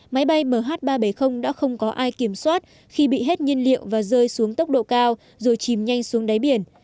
máy bay mh ba trăm bảy mươi đã không có ai kiểm soát khi bị hết nhiên liệu và rơi xuống tốc độ cao rồi chìm nhanh xuống đáy biển